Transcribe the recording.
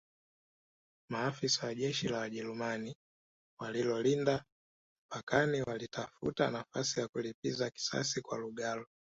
Maafisa wa jeshi la Wajerumani waliolinda mpakani walitafuta nafasi ya kulipiza kisasi kwa Lugalo